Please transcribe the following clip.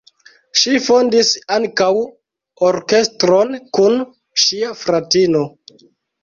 Ŝi fondis ankaŭ orkestron kun ŝia fratino.